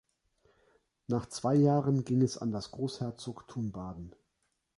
Nach zwei Jahren ging es an das Großherzogtum Baden.